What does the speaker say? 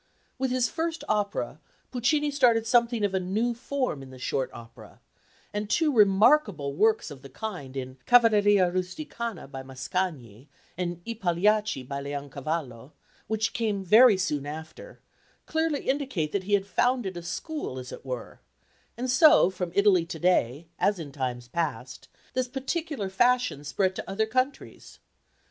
With his first opera, Puccini started something of a new form in the short opera; and two remarkable works of the kind in Cavalleria Rusticana by Mascagni and I Pagliacci by Leoncavallo, which came very soon after, clearly indicate that he had founded a school as it were; and so from Italy to day, as in times past, this particular fashion spread to other countries.